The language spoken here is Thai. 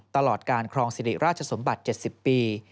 ตลอดการครองสิริราชสมบัติ๗๐ปี